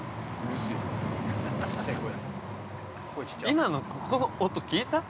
◆今のここの音聞いた？